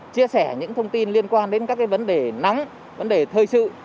chia sẻ những thông tin liên quan đến các vấn đề nóng vấn đề thời sự